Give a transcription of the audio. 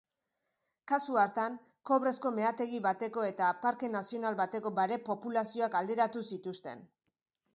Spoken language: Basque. Kasu hartan, kobrezko meategi bateko eta parke nazional bateko bare-populazioak alderatu zituzten.